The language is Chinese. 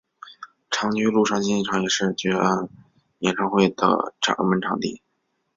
长居陆上竞技场也是举办演唱会的热门场地。